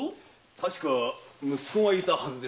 たしか息子がいたはずですが。